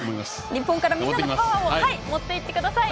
日本からみんなのパワーを持っていってください。